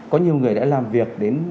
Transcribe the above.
có nhiều người đã làm việc đến